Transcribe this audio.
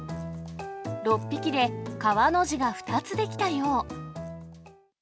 ６匹で川の字が２つ出来たよう。